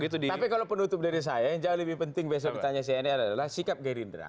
tapi kalau penutup dari saya yang jauh lebih penting besok ditanya cnn adalah sikap gerindra